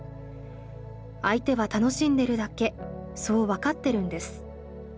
相手は楽しんでるだけそう分かってるんです。